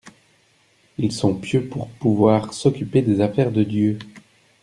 Ils sont pieux pour pouvoir s’occuper des affaires de Dieu.